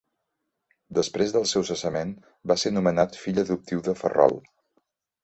Després del seu cessament va ser nomenat fill adoptiu de Ferrol.